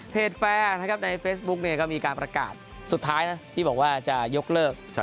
เพจแฟร์ในเฟซบุ๊คก็มีการประกาศสุดท้ายที่บอกว่าจะยกเลิก